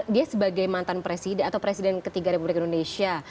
dia sebagai mantan presiden atau presiden ketiga republik indonesia